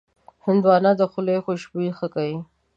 هندوانه د خولې خوشبويي ښه کوي.